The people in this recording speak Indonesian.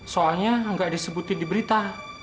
soalnya nggak disebutin di berita